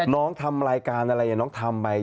น้องทำรายการอะไรอย่างน้องทำไป